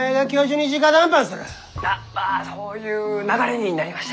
あまあそういう流れになりまして。